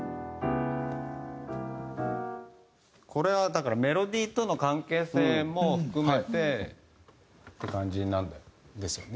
これはだからメロディーとの関係性も含めてって感じになるんですよね。